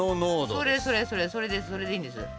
それそれそれそれでいいんです。